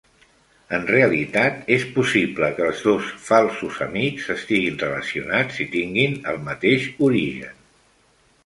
En realitat, és possible que els dos "falsos amics" estiguin relacionats i tinguin el mateix origen.